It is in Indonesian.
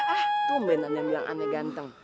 ah toh beneran yang bilang aneh ganteng